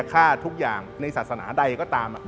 ฆ่าทุกอย่างในศาสนาใดก็ตาม